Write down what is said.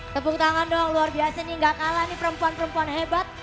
tepuk tangan dong luar biasa nih gak kalah nih perempuan perempuan hebat